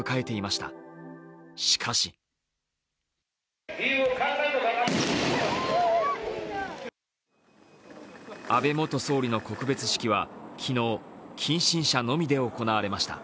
しかし安倍元総理の告別式は昨日、近親者のみで行われました。